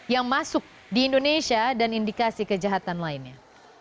yang masuk di indonesia dan indikasi kejahatan lainnya